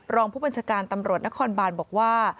รองผู้บัญชาการตำรวจนครบานบอกว่า